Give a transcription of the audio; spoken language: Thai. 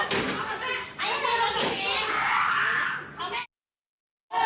ไอ้แม่ได้เอาแม่ดูนะ